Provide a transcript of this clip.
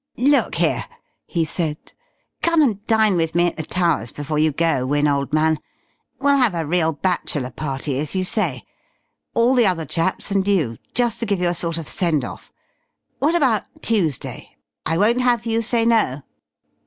"Look here," he said. "Come and dine with me at the Towers before you go, Wynne, old man. We'll have a real bachelor party as you say. All the other chaps and you, just to give you a sort of send off. What about Tuesday? I won't have you say no."